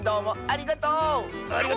ありがとう！